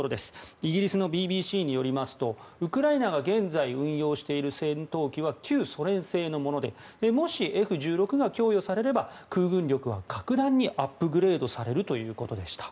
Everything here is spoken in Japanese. イギリスのＢＢＣによりますとウクライナが現在、運用している戦闘機は旧ソ連製のものでもし、Ｆ１６が供与されれば空軍力が格段にアップグレードされるということでした。